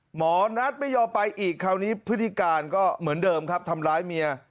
หมอนัทไม่ยอมไปอีกคราวนี้พฤติการก็เหมือนเดิมครับทำร้ายเมีย